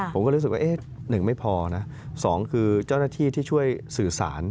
ผมก็รู้สึกว่า๑ไม่พอนะ๒คือเจ้าหน้าที่ที่ช่วยสื่อสาร